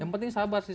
yang penting sabar sih